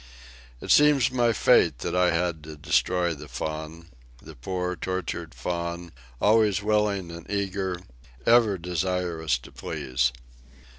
It seems my fate that I had to destroy the Faun—the poor, tortured Faun, always willing and eager, ever desirous to please.